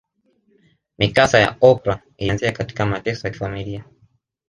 Mikasa ya Oprah ilianzia katika mateso ya kifamilia